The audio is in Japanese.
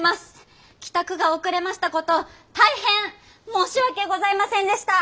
帰宅が遅れましたこと大変申し訳ございませんでした！